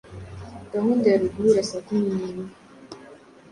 gahunda yari uguhura saa kumi n'imwe